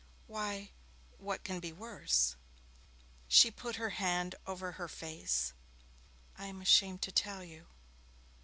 'Why, what can be worse?' She put her hand over her face. 'I am ashamed to tell you.'